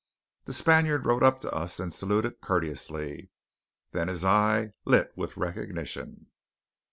The Spaniard rode up to us and saluted courteously; then his eye lit with recognition.